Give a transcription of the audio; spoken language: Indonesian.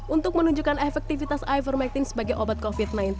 untuk menunjukkan efektivitas ivermectin sebagai obat covid sembilan belas